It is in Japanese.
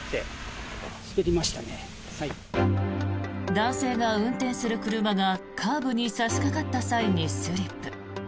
男性が運転する車がカーブに差しかかった際にスリップ。